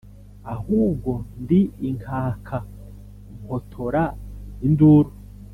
Ahubwo ndi inkaka mpotora induru.